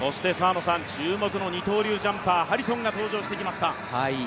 注目の二刀流ジャンパーハリソンが登場してきました。